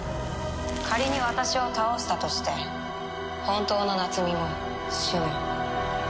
仮に私を倒せたとして本当の夏美も死ぬ。